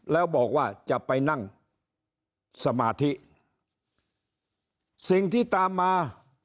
แล้วบอกว่าจะไปนั่งสมาธิสิ่งที่ตามมา